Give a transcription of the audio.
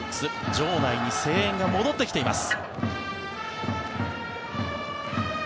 場内に声援が戻ってきています。